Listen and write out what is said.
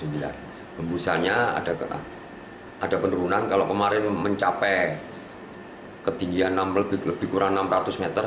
hembusannya ada penurunan kalau kemarin mencapai ketinggian lebih kurang enam ratus meter